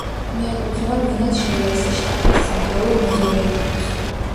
მიეკუთვნება მინას-ჟერაისის შტატის ცენტრალურ მეზორეგიონს.